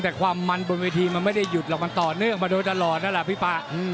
แต่ความมันบนเวทีไม่ได้หยุดเอามาต่อเนื่องมาด้วยตลอดนะฮะ